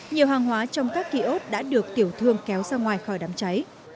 nhiều hàng hóa trong các kiosk đã được tiểu thương kéo ra ngoài khỏi đám cháy